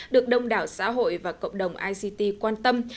được đông đảo xã hội và cộng đồng ict quan tâm